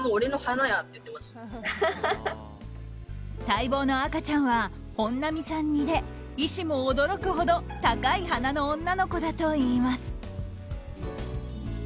待望の赤ちゃんは本並さん似で医師も驚くほど高い鼻の女の子だといいます。